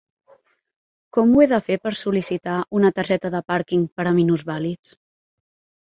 Com ho he de fer per sol·licitar una targeta de parking per a minusvàlids?